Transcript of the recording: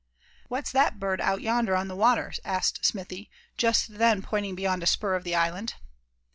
"What's that bird out yonder on the water?" asked Smithy, just then pointing beyond a spur of the island.